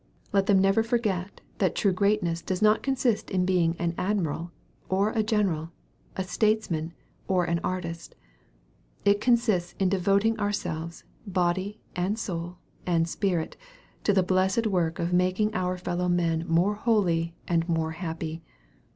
Let them never forget, that true great ness does not consist in being an admiral, or a general a statesman, or an artist. It consists in devoting our selves, body, and soul, and spirit to the blessed work of making our fellow men more holy and more happy.